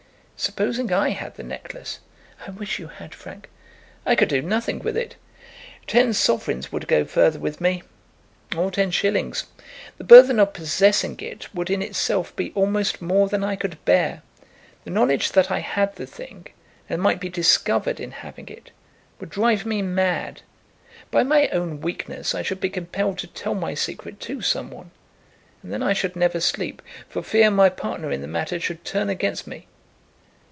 Supposing I had the necklace!" "I wish you had, Frank." "I could do nothing with it. Ten sovereigns would go further with me, or ten shillings. The burthen of possessing it would in itself be almost more than I could bear. The knowledge that I had the thing, and might be discovered in having it, would drive me mad. By my own weakness I should be compelled to tell my secret to some one. And then I should never sleep for fear my partner in the matter should turn against me."